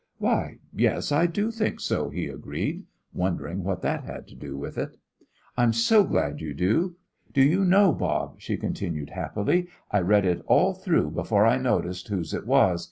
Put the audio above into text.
"Why, yes, I do think so," he agreed, wondering what that had to do with it. "I'm so glad you do. Do you know, Bob," she continued, happily, "I read it all through before I noticed whose it was.